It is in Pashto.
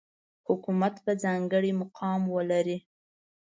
حکومت به ځانګړی مقام ولري.